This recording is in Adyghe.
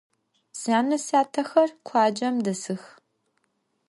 Syane - syatexer khuacem desıx.